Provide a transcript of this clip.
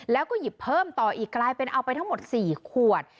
แล้วก็หยิบเพิ่มต่ออีกกลายเป็นเอาไปทั้งหมด๔ขวด